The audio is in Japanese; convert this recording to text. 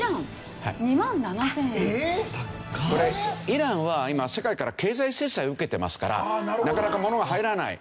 イランは今世界から経済制裁を受けてますからなかなか物が入らない。